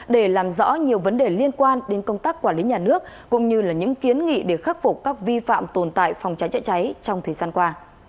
để làm rõ nhiều vấn đề liên quan đến công tác quản lý nhà nước cũng như những kiến nghị để khắc phục các vi phạm tồn tại phòng cháy chữa cháy trong thời gian qua